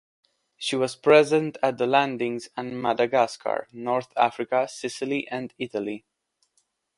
She was present at the landings in Madagascar, North Africa, Sicily and Italy.